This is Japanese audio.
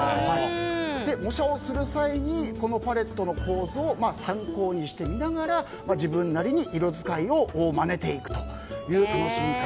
模写をする際にこのパレットの構図を参考にして見ながら自分なりに色使いをまねていくという楽しみ方。